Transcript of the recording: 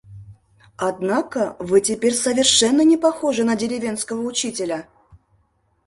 Однако вы теперь совершенно не похожи на деревенского учителя.